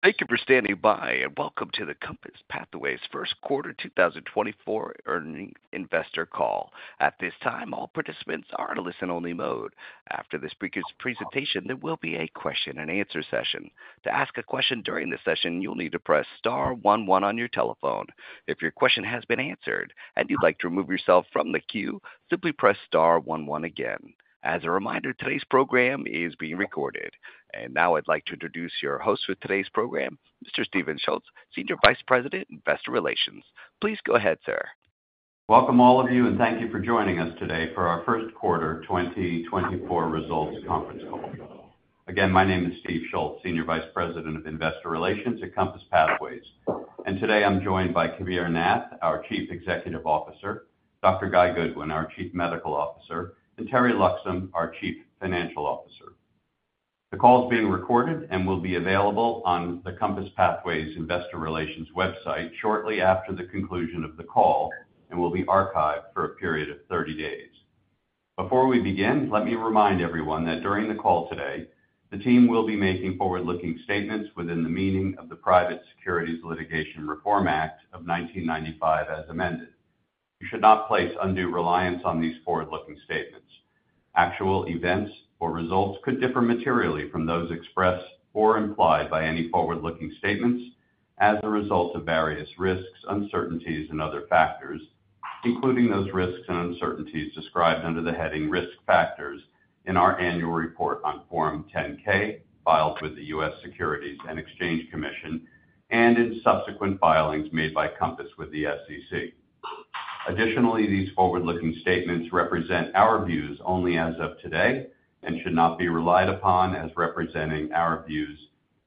Thank you for standing by, and welcome to the Compass Pathways First Quarter 2024 Earnings Investor Call. At this time, all participants are in listen-only mode. After the speaker's presentation, there will be a question and answer session. To ask a question during the session, you'll need to press star one one on your telephone. If your question has been answered and you'd like to remove yourself from the queue, simply press star one one again. As a reminder, today's program is being recorded. And now I'd like to introduce your host for today's program, Mr. Steve Schultz, Senior Vice President, Investor Relations. Please go ahead, sir. Welcome, all of you, and thank you for joining us today for our first quarter 2024 results conference call. Again, my name is Steve Schultz, Senior Vice President of Investor Relations at Compass Pathways, and today I'm joined by Kabir Nath, our Chief Executive Officer, Dr. Guy Goodwin, our Chief Medical Officer, and Teri Loxam, our Chief Financial Officer. The call is being recorded and will be available on the Compass Pathways investor relations website shortly after the conclusion of the call and will be archived for a period of 30 days. Before we begin, let me remind everyone that during the call today, the team will be making forward-looking statements within the meaning of the Private Securities Litigation Reform Act of 1995, as amended. You should not place undue reliance on these forward-looking statements. Actual events or results could differ materially from those expressed or implied by any forward-looking statements as a result of various risks, uncertainties, and other factors, including those risks and uncertainties described under the heading Risk Factors in our annual report on Form 10-K, filed with the U.S. Securities and Exchange Commission and in subsequent filings made by Compass with the SEC. Additionally, these forward-looking statements represent our views only as of today and should not be relied upon as representing our views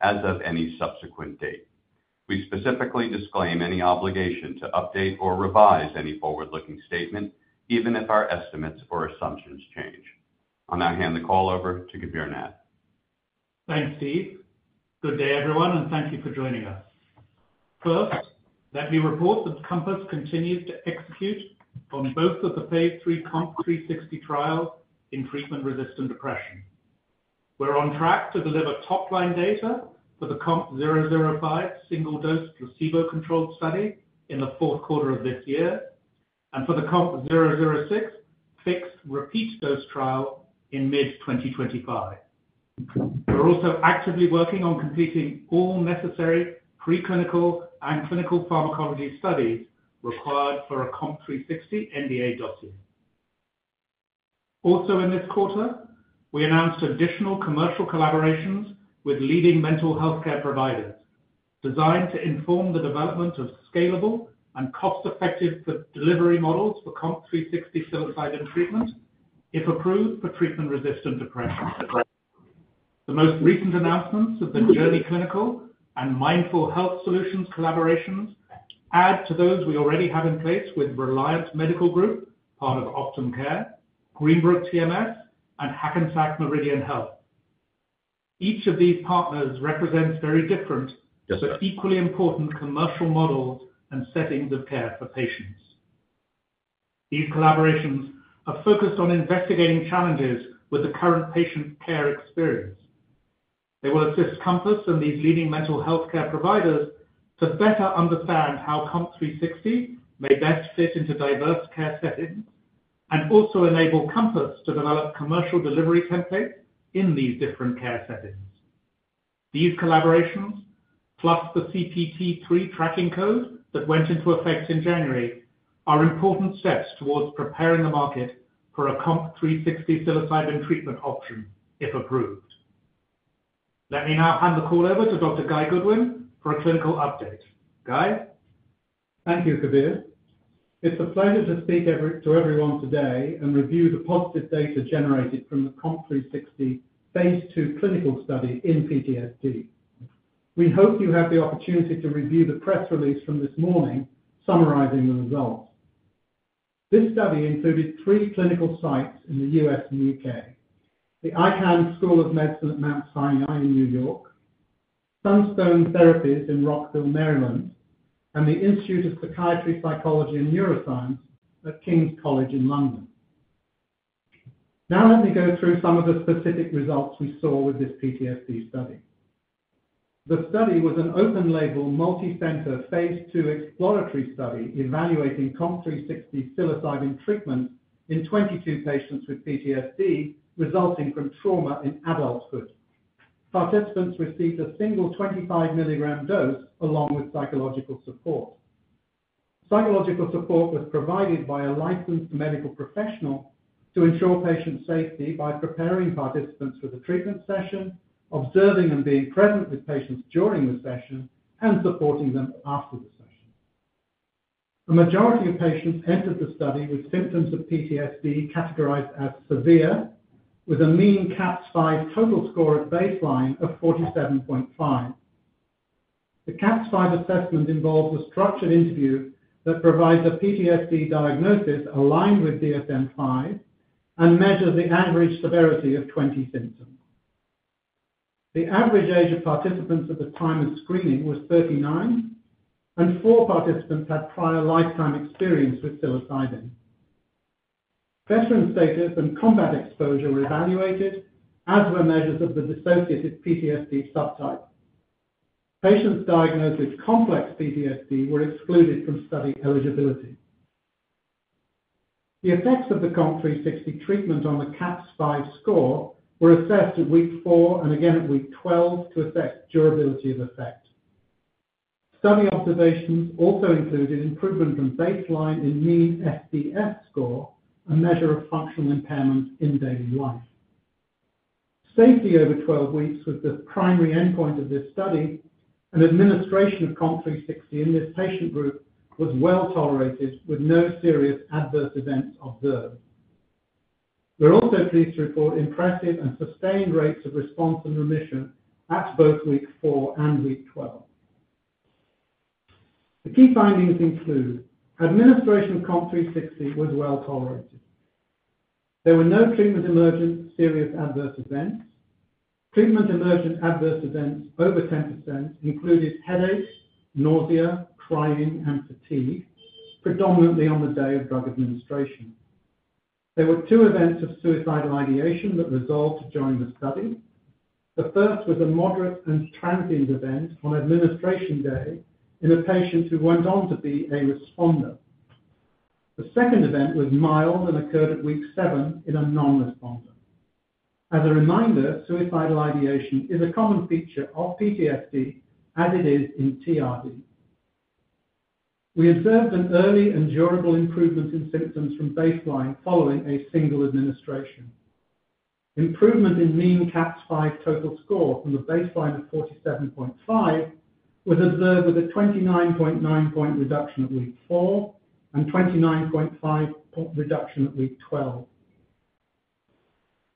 as of any subsequent date. We specifically disclaim any obligation to update or revise any forward-looking statements, even if our estimates or assumptions change. I'll now hand the call over to Kabir Nath. Thanks, Steve. Good day, everyone, and thank you for joining us. First, let me report that Compass continues to execute on both of the phase III COMP360 trials in treatment-resistant depression. We're on track to deliver top-line data for the COMP005 single-dose placebo-controlled study in the fourth quarter of this year, and for the COMP006 fixed repeat dose trial in mid-2025. We're also actively working on completing all necessary preclinical and clinical pharmacology studies required for a COMP360 NDA dossier. Also, in this quarter, we announced additional commercial collaborations with leading mental health care providers, designed to inform the development of scalable and cost-effective delivery models for COMP360 psilocybin treatment, if approved for treatment-resistant depression. The most recent announcements of the Journey Clinical and Mindful Health Solutions collaborations add to those we already have in place with Reliant Medical Group, part of Optum Care, Greenbrook TMS, and Hackensack Meridian Health. Each of these partners represents very different but equally important commercial models and settings of care for patients. These collaborations are focused on investigating challenges with the current patient care experience. They will assist Compass and these leading mental health care providers to better understand how COMP360 may best fit into diverse care settings and also enable Compass to develop commercial delivery templates in these different care settings. These collaborations, plus the CPT III tracking code that went into effect in January, are important steps towards preparing the market for a COMP360 psilocybin treatment option, if approved. Let me now hand the call over to Dr. Guy Goodwin for a clinical update. Guy? Thank you, Kabir. It's a pleasure to speak to everyone today and review the positive data generated from the COMP360 phase II clinical study in PTSD. We hope you have the opportunity to review the press release from this morning summarizing the results. This study included three clinical sites in the U.S. and U.K.: the Icahn School of Medicine at Mount Sinai in New York, Sunstone Therapies in Rockville, Maryland, and the Institute of Psychiatry, Psychology and Neuroscience at King's College in London. Now, let me go through some of the specific results we saw with this PTSD study. The study was an open-label, multicenter, phase II exploratory study evaluating COMP360 psilocybin treatment in 22 patients with PTSD resulting from trauma in adulthood. Participants received a single 25 mg dose along with psychological support. Psychological support was provided by a licensed medical professional to ensure patient safety by preparing participants for the treatment session, observing and being present with patients during the session, and supporting them after the session. The majority of patients entered the study with symptoms of PTSD, categorized as severe, with a mean CAPS-5 total score at baseline of 47.5. The CAPS-5 assessment involves a structured interview that provides a PTSD diagnosis aligned with DSM-5 and measures the average severity of 20 symptoms. The average age of participants at the time of screening was 39, and four participants had prior lifetime experience with psilocybin.... veteran status and combat exposure were evaluated, as were measures of the dissociative PTSD subtype. Patients diagnosed with complex PTSD were excluded from study eligibility. The effects of the COMP360 treatment on the CAPS-5 score were assessed at week four and again at week twelve to assess durability of effect. Study observations also included improvement from baseline in mean SDS score, a measure of functional impairment in daily life. Safety over 12 weeks was the primary endpoint of this study, and administration of COMP360 in this patient group was well tolerated, with no serious adverse events observed. We're also pleased to report impressive and sustained rates of response and remission at both week four and week 12. The key findings include administration of COMP360 was well tolerated. There were no treatment-emergent serious adverse events. Treatment-emergent adverse events over 10% included headaches, nausea, crying, and fatigue, predominantly on the day of drug administration. There were two events of suicidal ideation that resolved during the study. The first was a moderate and transient event on administration day in a patient who went on to be a responder. The second event was mild and occurred at week seven in a non-responder. As a reminder, suicidal ideation is a common feature of PTSD, as it is in TRD. We observed an early and durable improvement in symptoms from baseline following a single administration. Improvement in mean CAPS-5 total score from a baseline of 47.5 was observed with a 29.9 point reduction at week four and 29.5 point reduction at week 12.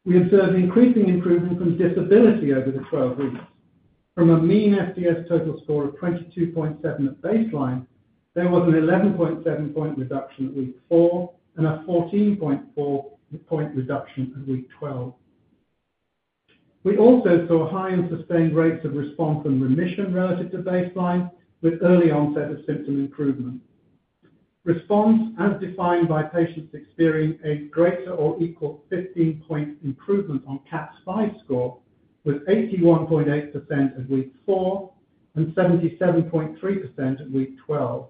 We observed increasing improvement from disability over the 12 weeks. From a mean SDS total score of 22.7 at baseline, there was an 11.7 point reduction at week four and a 14.4 point reduction at week twelve. We also saw high and sustained rates of response and remission relative to baseline, with early onset of symptom improvement. Response, as defined by patients experiencing a greater or equal 15-point improvement on CAPS-5 score, was 81.8% at week four and 77.3% at week 12.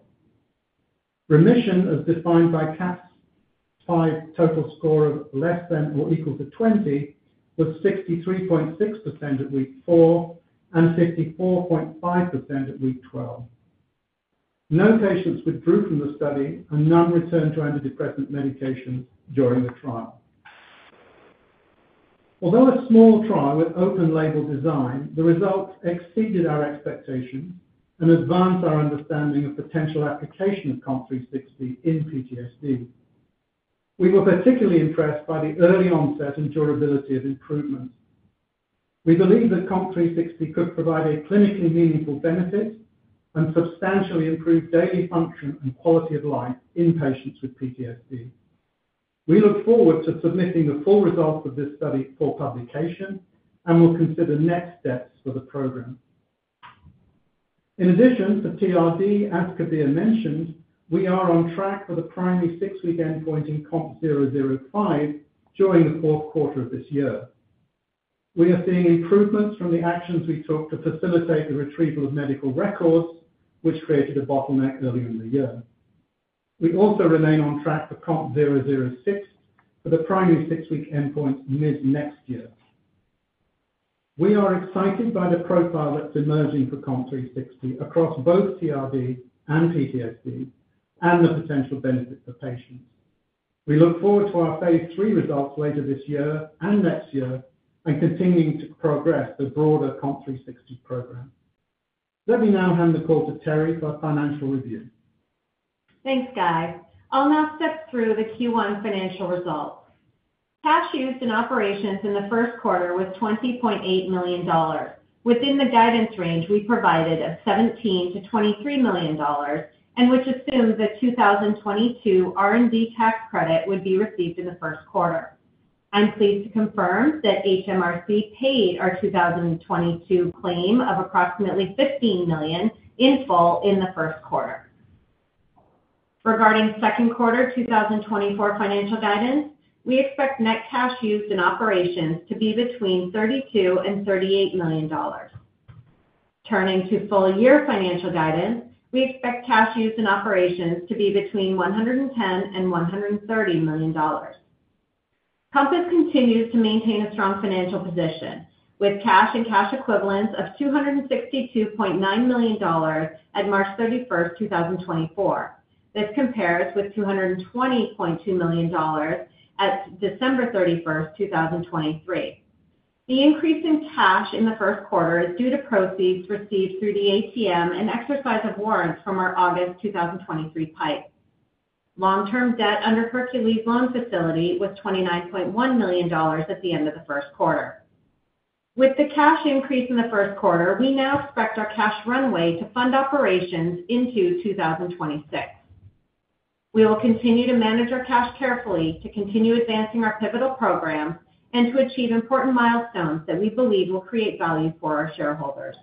Remission, as defined by CAPS-5 total score of less than or equal to 20, was 63.6% at week four and 64.5% at week 12. No patients withdrew from the study, and none returned to antidepressant medication during the trial. Although a small trial with open label design, the results exceeded our expectations and advanced our understanding of potential application of COMP360 in PTSD. We were particularly impressed by the early onset and durability of improvements. We believe that COMP360 could provide a clinically meaningful benefit and substantially improve daily function and quality of life in patients with PTSD. We look forward to submitting the full results of this study for publication and will consider next steps for the program. In addition to TRD, as Kabir mentioned, we are on track for the primary six-week endpoint in COMP005 during the fourth quarter of this year. We are seeing improvements from the actions we took to facilitate the retrieval of medical records, which created a bottleneck earlier in the year. We also remain on track for COMP006 for the primary six-week endpoint mid-next year. We are excited by the profile that's emerging for COMP360 across both TRD and PTSD and the potential benefit for patients. We look forward to our phase III results later this year and next year, and continuing to progress the broader COMP360 program. Let me now hand the call to Teri for our financial review. Thanks, Guy. I'll now step through the Q1 financial results. Cash used in operations in the first quarter was $20.8 million, within the guidance range we provided of $17 million-$23 million, and which assumes that 2022 R&D tax credit would be received in the first quarter. I'm pleased to confirm that HMRC paid our 2022 claim of approximately $15 million in full in the first quarter. Regarding second quarter 2024 financial guidance, we expect net cash used in operations to be between $32 million and $38 million. Turning to full-year financial guidance, we expect cash used in operations to be between $110 million and $130 million. Compass continues to maintain a strong financial position, with cash and cash equivalents of $262.9 million at March 31st, 2024. This compares with $220.2 million at December 31st, 2023. The increase in cash in the first quarter is due to proceeds received through the ATM and exercise of warrants from our August 2023 PIPE. Long-term debt under Hercules loan facility was $29.1 million at the end of the first quarter. With the cash increase in the first quarter, we now expect our cash runway to fund operations into 2026. We will continue to manage our cash carefully to continue advancing our pivotal program and to achieve important milestones that we believe will create value for our shareholders.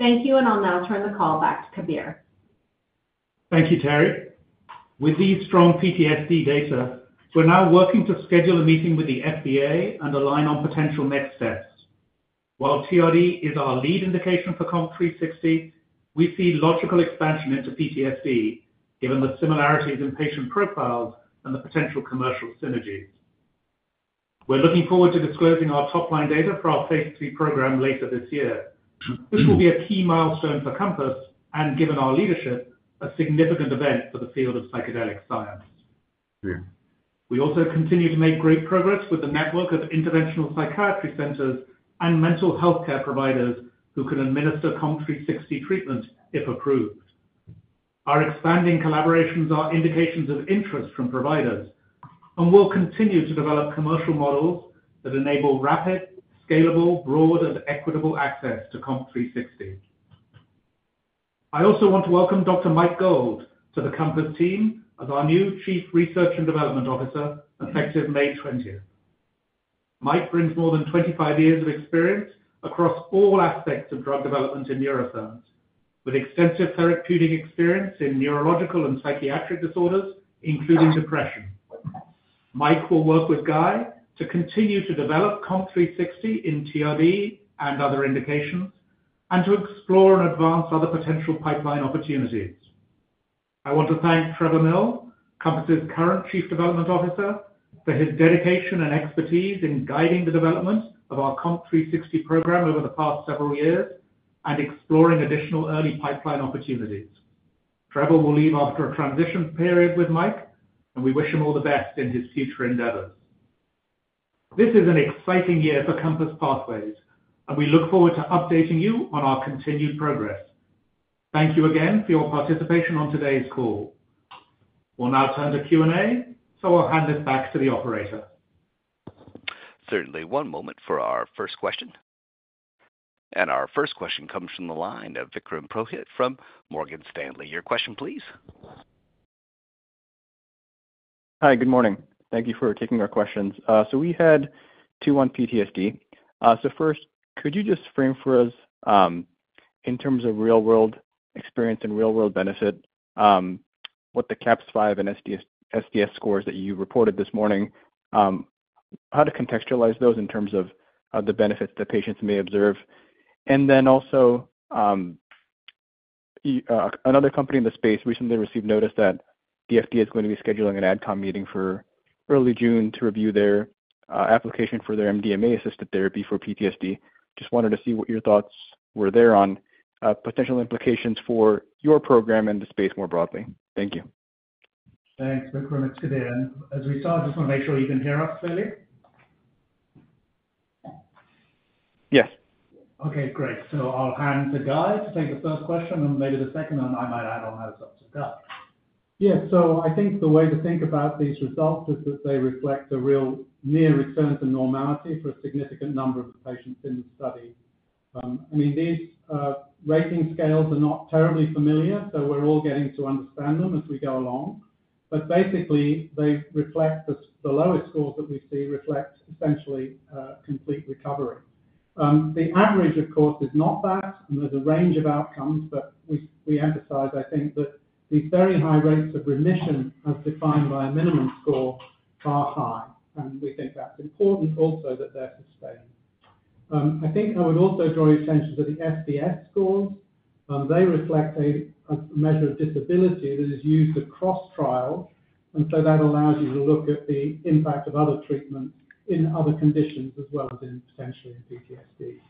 Thank you, and I'll now turn the call back to Kabir. ...Thank you, Teri. With these strong PTSD data, we're now working to schedule a meeting with the FDA and align on potential next steps. While TRD is our lead indication for COMP360, we see logical expansion into PTSD, given the similarities in patient profiles and the potential commercial synergies. We're looking forward to disclosing our top-line data for our phase III program later this year. This will be a key milestone for Compass, and given our leadership, a significant event for the field of psychedelic science. We also continue to make great progress with the network of interventional psychiatry centers and mental health care providers who can administer COMP360 treatment, if approved. Our expanding collaborations are indications of interest from providers, and we'll continue to develop commercial models that enable rapid, scalable, broad, and equitable access to COMP360. I also want to welcome Dr. Mike Gold to the Compass team as our new Chief Research and Development Officer, effective May 20th. Mike brings more than 25 years of experience across all aspects of drug development in neuroscience, with extensive therapeutic experience in neurological and psychiatric disorders, including depression. Mike will work with Guy to continue to develop COMP360 in TRD and other indications, and to explore and advance other potential pipeline opportunities. I want to thank Trevor Mill, Compass' current Chief Development Officer, for his dedication and expertise in guiding the development of our COMP360 program over the past several years and exploring additional early pipeline opportunities. Trevor will leave after a transition period with Mike, and we wish him all the best in his future endeavors. This is an exciting year for Compass Pathways, and we look forward to updating you on our continued progress. Thank you again for your participation on today's call. We'll now turn to Q&A, so I'll hand it back to the operator. Certainly. One moment for our first question. Our first question comes from the line of Vikram Purohit from Morgan Stanley. Your question, please? Hi, good morning. Thank you for taking our questions. So we had two on PTSD. So first, could you just frame for us, in terms of real-world experience and real-world benefit, what the CAPS-5 and SDS, SDS scores that you reported this morning, how to contextualize those in terms of, the benefits that patients may observe? And then also, another company in the space recently received notice that the FDA is going to be scheduling an Ad Comm meeting for early June to review their, application for their MDMA-assisted therapy for PTSD. Just wanted to see what your thoughts were there on, potential implications for your program and the space more broadly. Thank you. Thanks, Vikram. It's Kabir. As we start, just want to make sure you can hear us clearly. Yes. Okay, great. So I'll hand to Guy to take the first question, and maybe the second, and I might add on that as well. So, Guy? Yeah. So I think the way to think about these results is that they reflect a real near return to normality for a significant number of patients in the study. I mean, these rating scales are not terribly familiar, so we're all getting to understand them as we go along. But basically, they reflect the lowest scores that we see reflect essentially complete recovery. The average, of course, is not that, and there's a range of outcomes, but we emphasize, I think, that these very high rates of remission, as defined by a minimum score, are high, and we think that's important also that they're sustained. I think I would also draw your attention to the SDS scores. They reflect a measure of disability that is used across trials, and so that allows you to look at the impact of other treatments in other conditions, as well as potentially in PTSD.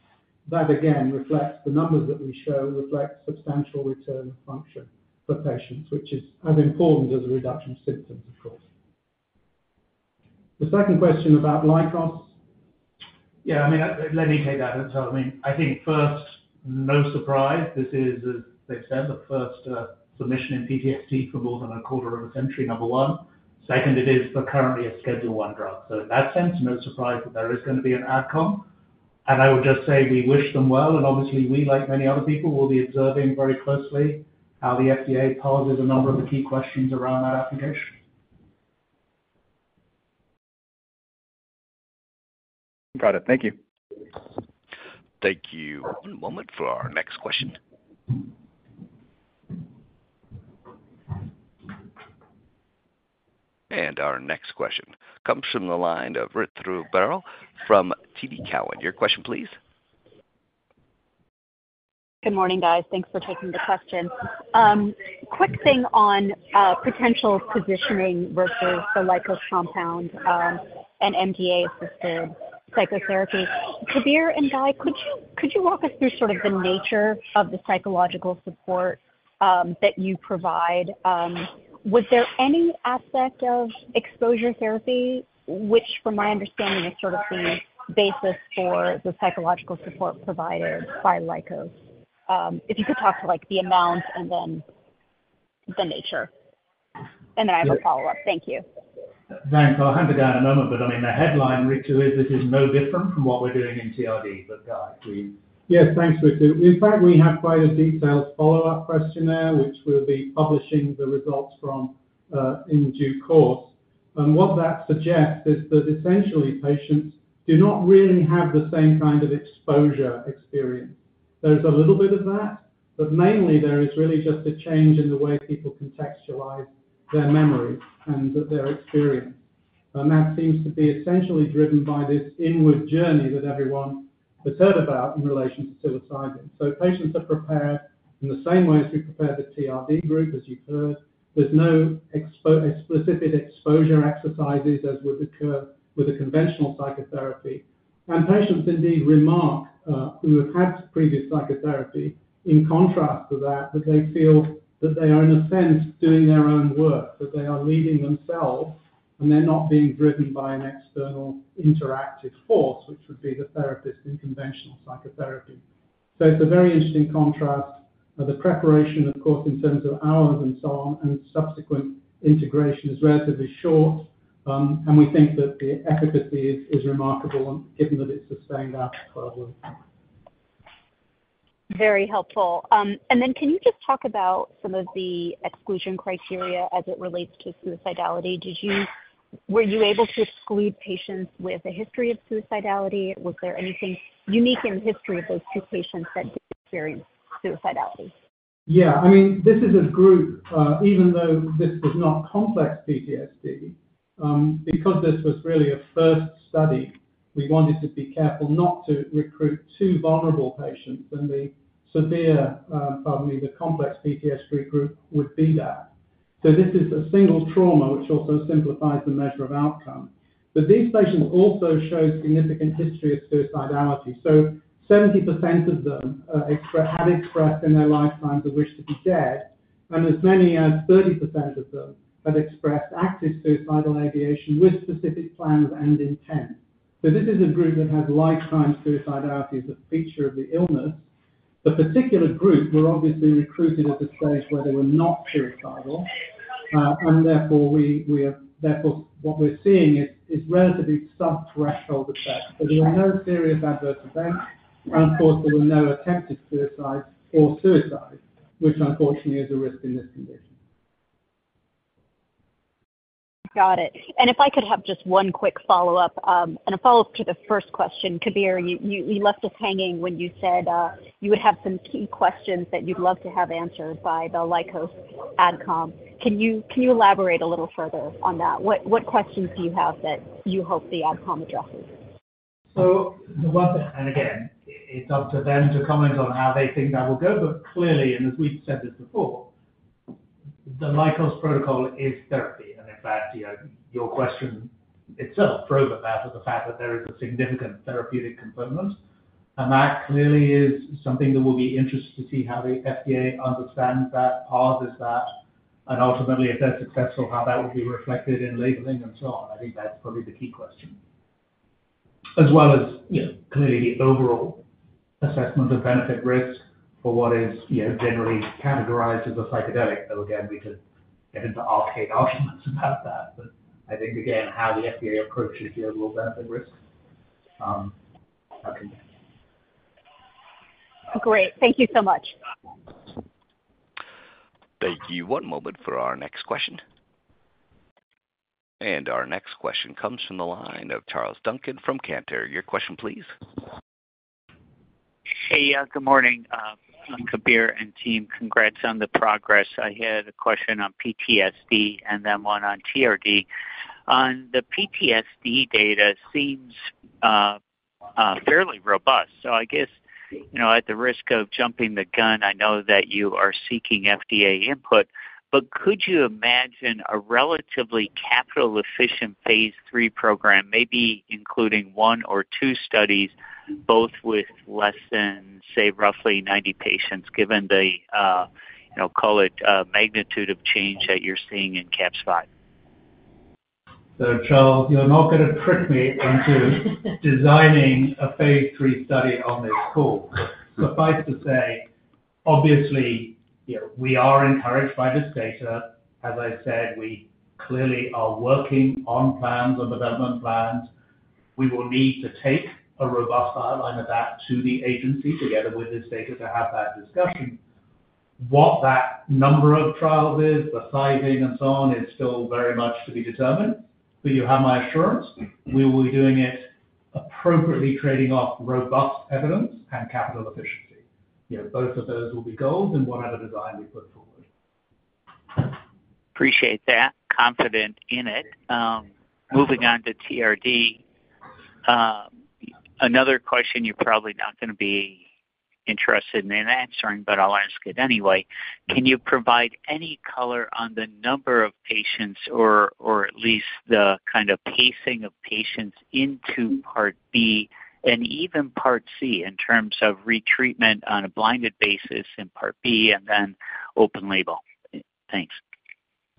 That, again, reflects the numbers that we show, reflects substantial return of function for patients, which is as important as a reduction in symptoms, of course. The second question about Lykos? Yeah, I mean, let me take that. And so, I mean, I think first, no surprise, this is, as they've said, the first submission in PTSD for more than a quarter of a century, number one. Second, it is currently a Schedule I drug. So in that sense, no surprise that there is going to be an Ad Comm. And I would just say we wish them well, and obviously we, like many other people, will be observing very closely how the FDA poses a number of the key questions around that application. Got it. Thank you. Thank you. One moment for our next question. Our next question comes from the line of Ritu Baral from TD Cowen. Your question, please? Good morning, guys. Thanks for taking the question. Quick thing on potential positioning versus the Lykos compound and MDMA-assisted psychotherapy. Kabir and Guy, could you walk us through sort of the nature of the psychological support that you provide? Was there any aspect of exposure therapy, which from my understanding, is sort of the basis for the psychological support provided by Lykos? If you could talk to, like, the amount and then the nature. And then I have a follow-up. Thank you. Thanks. I'll hand to Guy in a moment, but, I mean, the headline, Ritu, is this is no different from what we're doing in TRD. But Guy, please. Yes, thanks, Ritu. In fact, we have quite a detailed follow-up questionnaire, which we'll be publishing the results from in due course. And what that suggests is that essentially patients do not really have the same kind of exposure experience. There's a little bit of that, but mainly there is really just a change in the way people contextualize their memory and their experience. And that seems to be essentially driven by this inward journey that everyone has heard about in relation to psilocybin. So patients are prepared in the same way as we prepare the TRD group, as you've heard. There's no exposure-specific exposure exercises as would occur with a conventional psychotherapy. And patients indeed remark who have had previous psychotherapy, in contrast to that, that they feel that they are, in a sense, doing their own work, that they are leading themselves, and they're not being driven by an external interactive force, which would be the therapist in conventional psychotherapy. So it's a very interesting contrast. The preparation, of course, in terms of hours and so on, and subsequent integration is relatively short. And we think that the efficacy is remarkable, given that it's sustained after 12 weeks. Very helpful. And then can you just talk about some of the exclusion criteria as it relates to suicidality? Were you able to exclude patients with a history of suicidality? Was there anything unique in the history of those two patients that did experience suicidality? Yeah, I mean, this is a group, even though this was not complex PTSD, because this was really a first study, we wanted to be careful not to recruit too vulnerable patients than the severe, probably the complex PTSD group would be that. So this is a single trauma, which also simplifies the measure of outcome. But these patients also show significant history of suicidality. So 70% of them express, had expressed in their lifetimes a wish to be dead, and as many as 30% of them had expressed active suicidal ideation with specific plans and intent. So this is a group that had lifetime suicidality as a feature of the illness. The particular group were obviously recruited at a stage where they were not suicidal, and therefore, we are therefore, what we're seeing is relatively sub-threshold effect. There were no serious adverse events. Of course, there were no attempted suicides or suicides, which unfortunately is a risk in this condition. Got it. If I could have just one quick follow-up, and a follow-up to the first question. Kabir, you left us hanging when you said you would have some key questions that you'd love to have answered by the Lykos Ad Comm. Can you elaborate a little further on that? What questions do you have that you hope the Ad Comm addresses? So the one, and again, it's up to them to comment on how they think that will go. But clearly, and as we've said this before, the Lykos protocol is therapy. And in fact, you know, your question itself proves that, for the fact that there is a significant therapeutic component. And that clearly is something that we'll be interested to see how the FDA understands that, views that, and ultimately, if they're successful, how that will be reflected in labeling and so on. I think that's probably the key question. As well as, you know, clearly the overall assessment of benefit risk for what is, you know, generally categorized as a psychedelic. But again, we could get into arcane arguments about that. But I think, again, how the FDA approaches the overall benefit risk, how can... Great. Thank you so much. Thank you. One moment for our next question. Our next question comes from the line of Charles Duncan from Cantor. Your question, please. Hey, good morning, Kabir and team. Congrats on the progress. I had a question on PTSD and then one on TRD. On the PTSD data seems fairly robust. So I guess, you know, at the risk of jumping the gun, I know that you are seeking FDA input, but could you imagine a relatively capital-efficient phase III program, maybe including one or two studies, both with less than, say, roughly 90 patients, given the, you know, call it, magnitude of change that you're seeing in CAPS-5? So, Charles, you're not going to trick me into designing a phase III study on this call. Suffice to say, obviously, you know, we are encouraged by this data. As I said, we clearly are working on plans and development plans. We will need to take a robust outline of that to the agency, together with this data, to have that discussion. What that number of trials is, the sizing and so on, is still very much to be determined, but you have my assurance. We will be doing it appropriately, trading off robust evidence and capital efficiency. You know, both of those will be goals in whatever design we put forward. Appreciate that. Confident in it. Moving on to TRD, another question you're probably not going to be interested in answering, but I'll ask it anyway. Can you provide any color on the number of patients or, or at least the kind of pacing of patients into part B and even part C, in terms of retreatment on a blinded basis in part B and then open label? Thanks.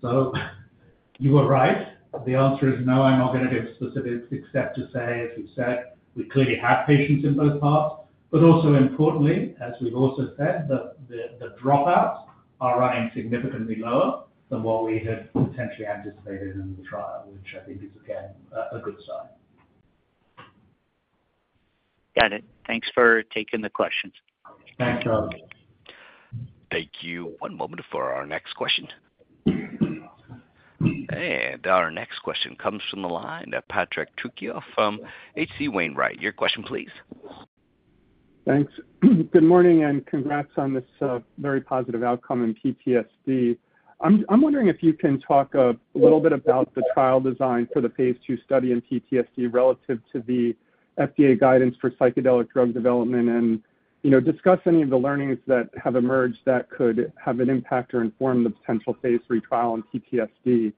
You were right. The answer is no, I'm not going to give specifics, except to say, as we've said, we clearly have patients in both parts. But also importantly, as we've also said, that the dropouts are running significantly lower than what we had potentially anticipated in the trial, which I think is, again, a good sign. ... Got it. Thanks for taking the questions. Thanks, [Rob]. Thank you. One moment for our next question. Our next question comes from the line of Patrick Trucchio from HC Wainwright. Your question, please. Thanks. Good morning, and congrats on this very positive outcome in PTSD. I'm wondering if you can talk a little bit about the trial design for the phase II study in PTSD relative to the FDA guidance for psychedelic drug development, and, you know, discuss any of the learnings that have emerged that could have an impact or inform the potential phase III trial on PTSD.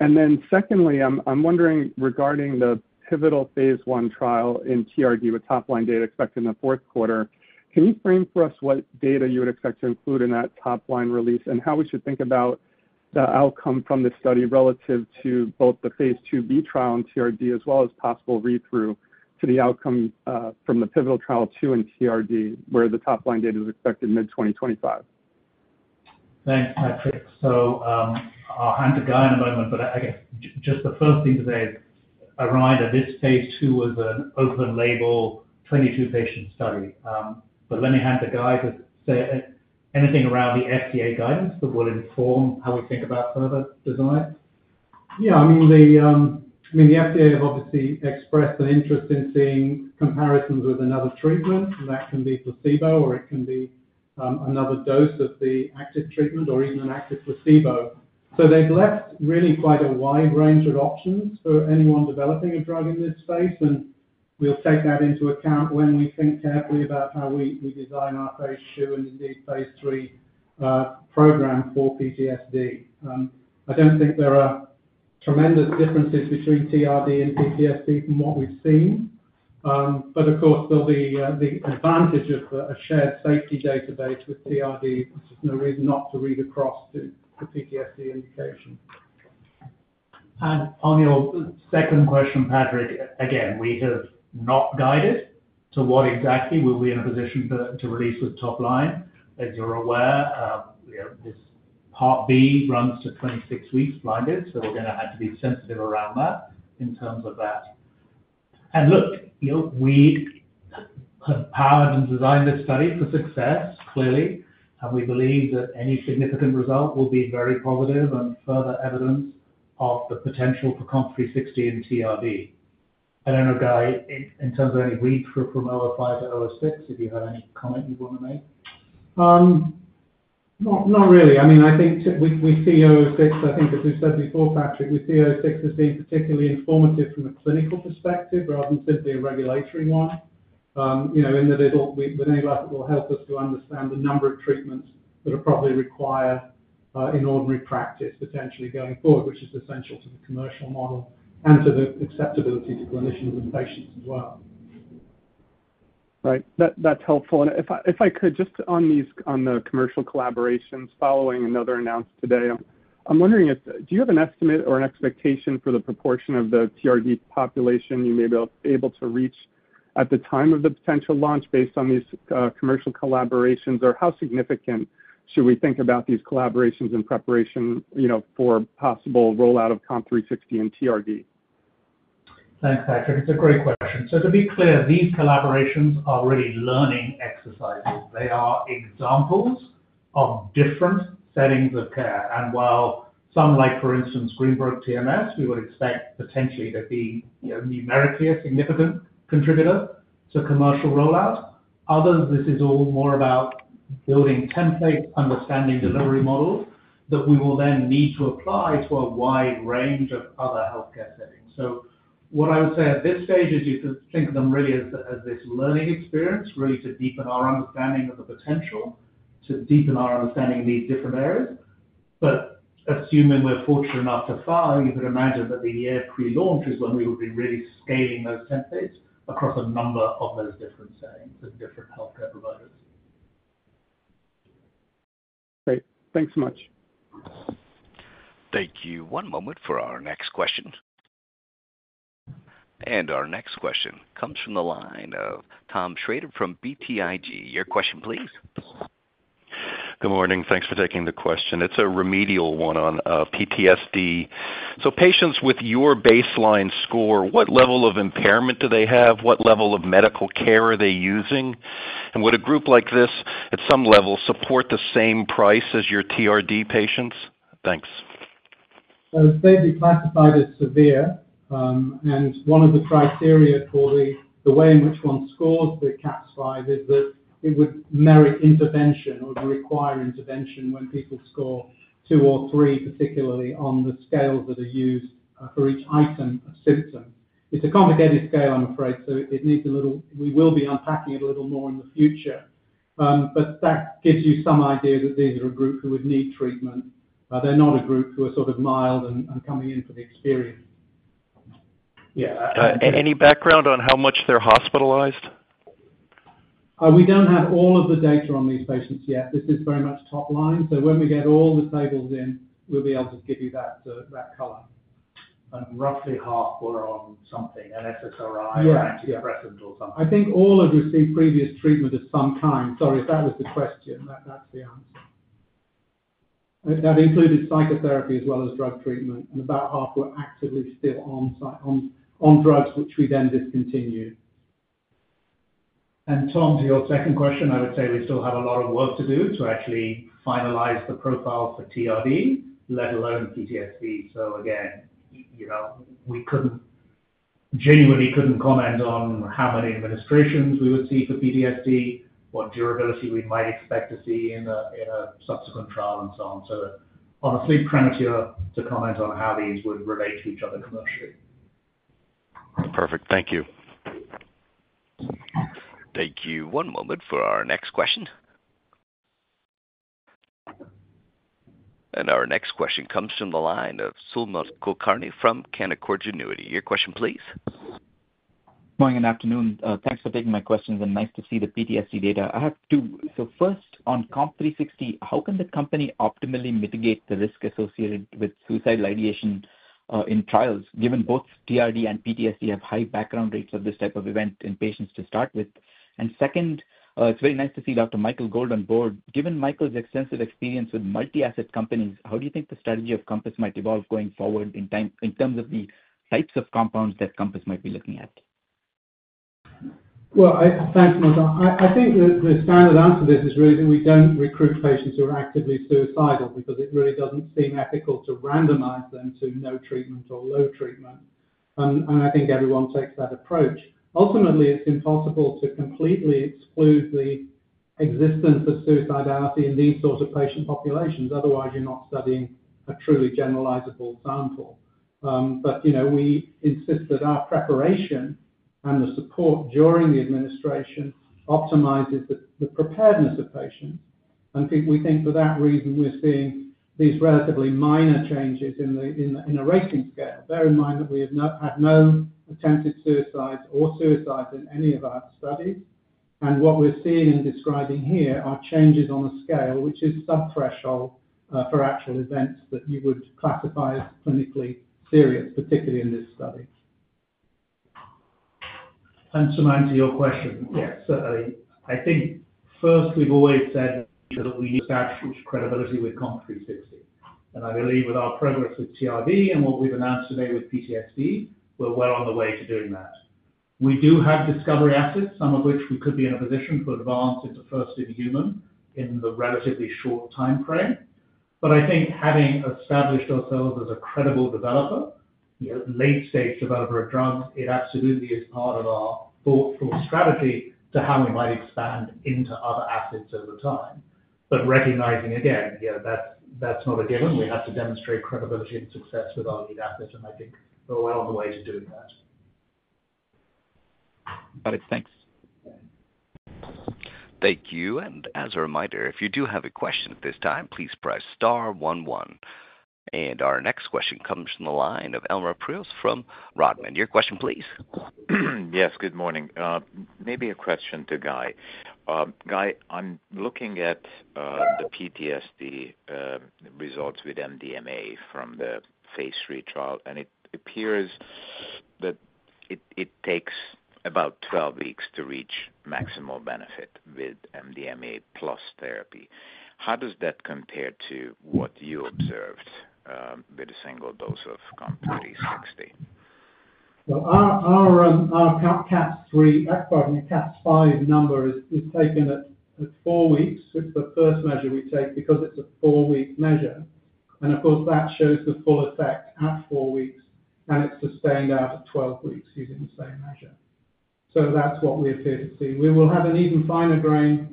And then secondly, I'm wondering, regarding the pivotal phase one trial in TRD, with top-line data expected in the fourth quarter, can you frame for us what data you would expect to include in that top-line release? How we should think about the outcome from this study relative to both the phase II-B trial and TRD, as well as possible read-through to the outcome from the pivotal trial two in TRD, where the top-line data is expected mid-2025. Thanks, Patrick. So, I'll hand to Guy in a moment, but I guess just the first thing to say, a reminder, this phase II was an open label, 22 patient study. But let me hand to Guy to say anything around the FDA guidance that will inform how we think about further design. Yeah, I mean, the FDA have obviously expressed an interest in seeing comparisons with another treatment. That can be placebo, or it can be another dose of the active treatment or even an active placebo. So they've left really quite a wide range of options for anyone developing a drug in this space, and we'll take that into account when we think carefully about how we design our phase II and indeed phase III program for PTSD. I don't think there are tremendous differences between TRD and PTSD from what we've seen. But of course, there'll be the advantage of a shared safety database with TRD. There's no reason not to read across to the PTSD indication. On your second question, Patrick, again, we have not guided to what exactly we'll be in a position to release with top line. As you're aware, you know, this part B runs to 26 weeks blinded, so we're going to have to be sensitive around that in terms of that. And look, you know, we have powered and designed this study for success, clearly, and we believe that any significant result will be very positive and further evidence of the potential for COMP360 in TRD. I don't know, Guy, in terms of any read-through from COMP005 to COMP006, if you have any comment you want to make. Not really. I mean, I think we see COMP006, I think as we've said before, Patrick, we see COMP006 as being particularly informative from a clinical perspective rather than simply a regulatory one. You know, in that it will, with any luck, help us to understand the number of treatments that are probably required in ordinary practice, potentially going forward, which is essential to the commercial model and to the acceptability to clinicians and patients as well. Right. That, that's helpful. And if I could, just on these commercial collaborations, following another announced today. I'm wondering if, do you have an estimate or an expectation for the proportion of the TRD population you may be able to reach at the time of the potential launch based on these commercial collaborations? Or how significant should we think about these collaborations in preparation, you know, for possible rollout of COMP360 and TRD? Thanks, Patrick. It's a great question. So to be clear, these collaborations are really learning exercises. They are examples of different settings of care, and while some, like for instance, Greenbrook TMS, we would expect potentially to be, you know, numerically a significant contributor to commercial rollout. Others, this is all more about building templates, understanding delivery models that we will then need to apply to a wide range of other healthcare settings. So what I would say at this stage is you could think of them really as, as this learning experience, really to deepen our understanding of the potential, to deepen our understanding of these different areas. But assuming we're fortunate enough to file, you can imagine that the year pre-launch is when we will be really scaling those templates across a number of those different settings with different healthcare providers. Great. Thanks so much. Thank you. One moment for our next question. Our next question comes from the line of Tom Shrader from BTIG. Your question, please. Good morning. Thanks for taking the question. It's a remedial one on PTSD. So patients with your baseline score, what level of impairment do they have? What level of medical care are they using? And would a group like this, at some level, support the same price as your TRD patients? Thanks. So they'd be classified as severe, and one of the criteria for the way in which one scores the CAPS-5 is that it would merit intervention or require intervention when people score two or three, particularly on the scales that are used, for each item or symptom. It's a complicated scale, I'm afraid, so it needs a little... We will be unpacking it a little more in the future. But that gives you some idea that these are a group who would need treatment. They're not a group who are sort of mild and coming in for the experience. Yeah. Any background on how much they're hospitalized? We don't have all of the data on these patients yet. This is very much top line, so when we get all the tables in, we'll be able to give you that, that color. Roughly half were on something, an SSRI- Yeah. antidepressant or something. I think all have received previous treatment of some kind. Sorry, if that was the question, that, that's the answer. That included psychotherapy as well as drug treatment, and about half were actively still on site, on, on drugs, which we then discontinued. And Tom, to your second question, I would say we still have a lot of work to do to actually finalize the profile for TRD, let alone PTSD. So again, you know, we couldn't, genuinely couldn't comment on how many administrations we would see for PTSD, what durability we might expect to see in a, in a subsequent trial and so on. So on a sleep parameter, to comment on how these would relate to each other commercially. Perfect. Thank you. Thank you. One moment for our next question. Our next question comes from the line of Sumant Kulkarni from Canaccord Genuity. Your question please. Good morning and afternoon. Thanks for taking my questions, and nice to see the PTSD data. I have two. So first, on COMP360, how can the company optimally mitigate the risk associated with suicidal ideation in trials, given both TRD and PTSD have high background rates of this type of event in patients to start with? And second, it's very nice to see Dr. Michael Gold on board. Given Michael's extensive experience with multi-asset companies, how do you think the strategy of Compass might evolve going forward in time, in terms of the types of compounds that Compass might be looking at? Well, thanks, Sumant. I think the standard answer to this is really that we don't recruit patients who are actively suicidal, because it really doesn't seem ethical to randomize them to no treatment or low treatment. And I think everyone takes that approach. Ultimately, it's impossible to completely exclude the existence of suicidality in these sorts of patient populations. Otherwise, you're not studying a truly generalizable sample. But, you know, we insist that our preparation and the support during the administration optimizes the preparedness of patients. And we think for that reason, we're seeing these relatively minor changes in the in a rating scale. Bear in mind that we had no attempted suicides or suicides in any of our studies, and what we're seeing and describing here are changes on a scale which is sub-threshold for actual events that you would classify as clinically serious, particularly in this study. Sumant, to your question, yes, certainly. I think first, we've always said that we need to establish credibility with COMP360. I believe with our progress with TRD and what we've announced today with PTSD, we're well on the way to doing that. We do have discovery assets, some of which we could be in a position to advance into first-in-human in the relatively short timeframe. But I think having established ourselves as a credible developer, you know, late-stage developer of drugs, it absolutely is part of our thoughtful strategy to how we might expand into other assets over time. But recognizing, again, you know, that's, that's not a given. We have to demonstrate credibility and success with our lead assets, and I think we're well on the way to doing that. Got it. Thanks. Thank you. And as a reminder, if you do have a question at this time, please press star one, one. And our next question comes from the line of Elemer Piros from Rodman. Your question please. Yes, good morning. Maybe a question to Guy. Guy, I'm looking at the PTSD results with MDMA from the phase III trial, and it appears that it takes about 12 weeks to reach maximal benefit with MDMA plus therapy. How does that compare to what you observed with a single dose of COMP360? Well, our CAPS-5 number is taken at four weeks. It's the first measure we take because it's a four-week measure, and of course, that shows the full effect at four weeks, and it's sustained out at 12 weeks using the same measure. So that's what we appear to see. We will have an even finer grain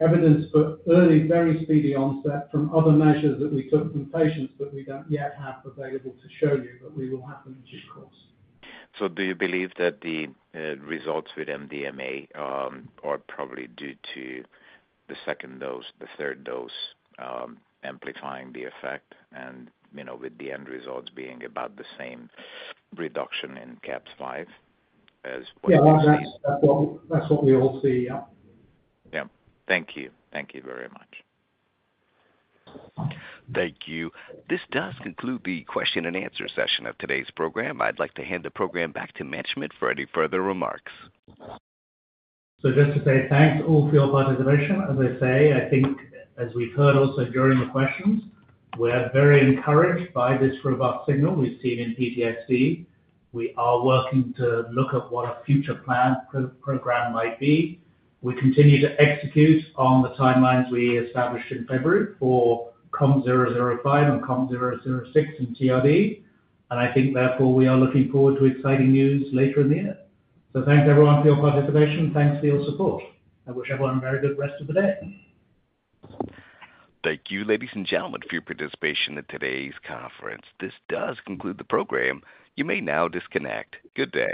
evidence for early, very speedy onset from other measures that we took from patients, but we don't yet have available to show you, but we will have them in due course. So do you believe that the results with MDMA are probably due to the second dose, the third dose amplifying the effect and, you know, with the end results being about the same reduction in CAPS-5 as what you see? Yeah, that's what we all see. Yeah. Yeah. Thank you. Thank you very much. Thank you. Thank you. This does conclude the question and answer session of today's program. I'd like to hand the program back to management for any further remarks. So just to say thanks to all for your participation. As I say, I think as we've heard also during the questions, we're very encouraged by this robust signal we've seen in PTSD. We are working to look at what our future program might be. We continue to execute on the timelines we established in February for COMP005 and COMP006 in TRD. And I think therefore, we are looking forward to exciting news later in the year. So thanks everyone for your participation. Thanks for your support. I wish everyone a very good rest of the day. Thank you, ladies and gentlemen, for your participation in today's conference. This does conclude the program. You may now disconnect. Good day.